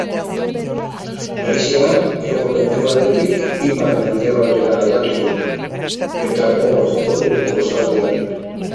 Haizea hego-mendebaldetik ipar-mendebaldera aldatuko da, eta gogor joko du kostaldean.